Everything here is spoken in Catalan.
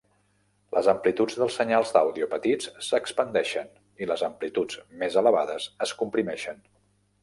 Les amplituds dels senyals d'àudio petits s'expandeixen i les amplituds més elevades es comprimeixen.